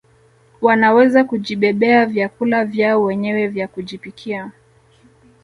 Wanaweza kujibebea vyakula vyao wenyewe vya kujipikia